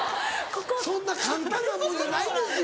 そんな簡単なものじゃないですよ